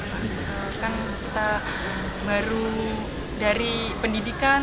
kan kita baru dari pendidikan